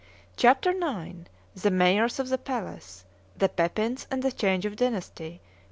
CHAPTER IX. THE MAYORS OF THE PALACE. THE PEPINS AND THE CHANGE OF DYNASTY.